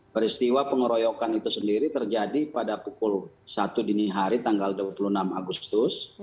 peristiwa pengeroyokan itu sendiri terjadi pada pukul satu dini hari tanggal dua puluh enam agustus